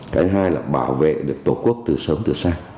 cái thứ hai là bảo vệ được tổ quốc từ sớm từ xa